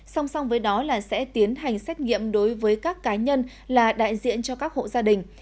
song song với đó là sẽ tiến hành xét nghiệm đối với các cá nhân là đại diện cho các hộ gia đình